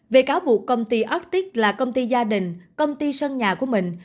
về cáo buộc công ty ortic là công ty gia đình công ty sân nhà của mình